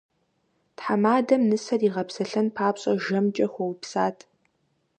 Тхьэмадэм нысэр игъэпсэлъэн папщӏэ жэмкӏэ хуэупсат.